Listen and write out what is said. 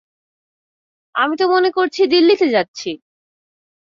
আমি তো মনে করছি দিল্লিতে যাচ্ছি।